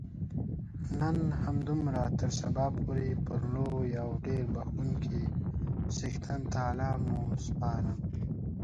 نن همدومره تر سبا پورې پر لوی او ډېر بخښونکي څښتن تعالا مو سپارم.